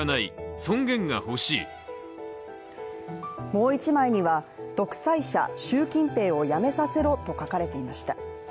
もう一枚には、独裁者、習近平を辞めさせろと書かれていました。